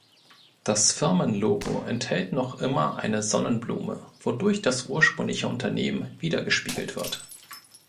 Das Firmenlogo enthält noch immer eine Sonnenblume, wodurch das ursprüngliche Unternehmen widergespiegelt wird.